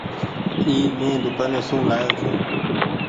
اي مين دوڪآني سون لآيو ڇي۔